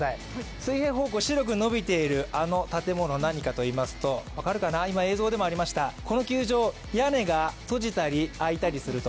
水平方向、白く伸びているあの建物、何かといいますと、この球場、屋根が閉じたり開いたりすると。